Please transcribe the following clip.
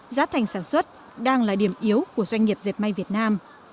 giá thành sản xuất đang là điểm yếu của doanh nghiệp dẹp may việt nam